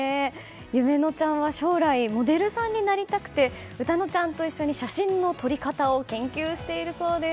夢乃ちゃんは将来モデルさんになりたくて詩乃ちゃんと一緒に写真の撮り方を研究しているそうです。